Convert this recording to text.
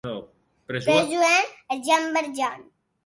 Presoèr de Jean Valjean.